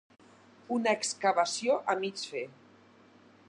Una excavació a mig fer.